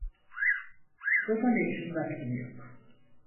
Bunun için vaktim yok.